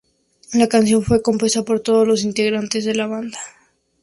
La canción fue compuesta por todo los integrantes de la banda.